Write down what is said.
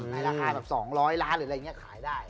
ราคาแบบ๒๐๐ล้านหรืออะไรอย่างนี้ขายได้